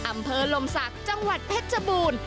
อำเภอลมศักดิ์จังหวัดเพชรบูรณ์